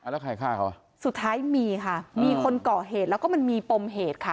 แล้วใครฆ่าเขาสุดท้ายมีค่ะมีคนเกาะเหตุแล้วก็มันมีปมเหตุค่ะ